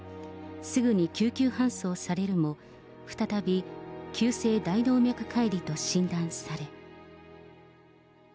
すぐに救急搬送されるも、再び急性大動脈解離と診断され。